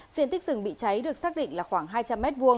diện tích rừng bị cháy được xác định là khoảng hai trăm linh m hai